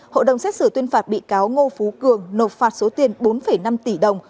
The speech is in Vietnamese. hội đồng xét xử tuyên phạt bị cáo ngô phú cường nộp phạt số tiền bốn năm tỷ đồng